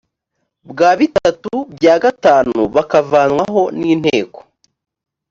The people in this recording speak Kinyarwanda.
bwa bitatu bya gatanu bakavanwaho n inteko